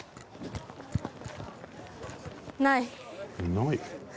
「ない？」